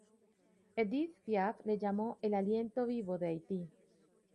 Edith Piaf le llamó "el aliento vivo de Haití".